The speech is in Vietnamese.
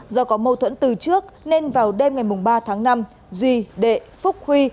do có mâu thuẫn từ trước nên vào đêm ngày ba tháng năm duy đệ phúc huy